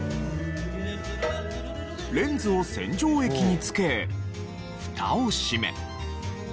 レンズを洗浄液につけフタを閉め。